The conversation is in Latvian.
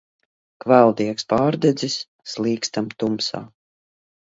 Kvēldiegs pārdedzis, slīgstam tumsā.